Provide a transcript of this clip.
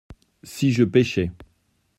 Si je pêchais.